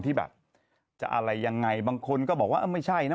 ที่แบบจะอะไรยังไงบางคนก็บอกว่าไม่ใช่นะ